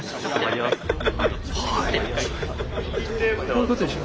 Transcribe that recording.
こういうことでしょ？